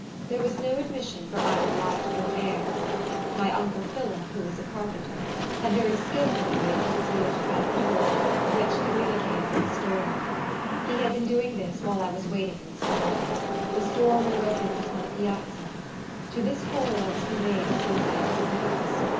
There was no admission for either light or air. My uncle Phillip, who was a carpenter, had very skilfully made a concealed trap door, which communicated with the storeroom. He had been doing this while I was waiting in the swamp. The storeroom opened upon a piazza. To this hole I was conveyed as soon as I entered the house.